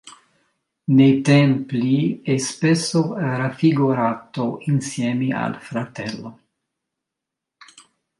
Nei templi è spesso raffigurato insieme al fratello.